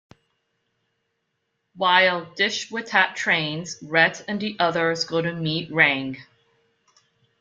While Deshwitat trains, Rett and the others go to meet Rang.